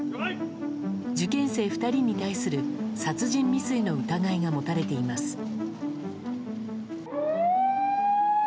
受験生２人に対する殺人未遂の疑いが持たれています。